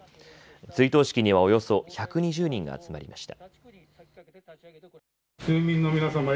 追悼式にはおよそ１２０人が集まりました。